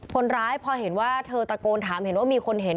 คนร้ายพอเห็นว่าเธอตะโกนถามเห็นว่ามีคนเห็น